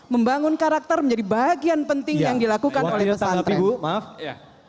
membangun karakter menjadi bagian penting yang dilakukan oleh pesantren